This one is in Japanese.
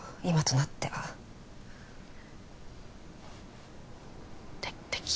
今となっては敵？